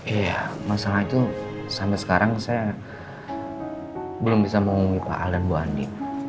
iya masalah itu sampai sekarang saya belum bisa menghubungi pak al dan bu andi